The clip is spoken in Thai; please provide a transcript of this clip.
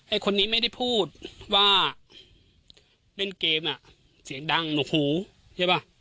คนนี้ไม่ได้พูดว่าเล่นเกมอ่ะเสียงดังหนกหูใช่ป่ะ